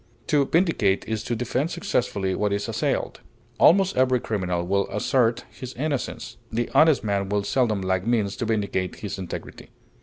To vindicate is to defend successfully what is assailed. Almost every criminal will assert his innocence; the honest man will seldom lack means to vindicate his integrity.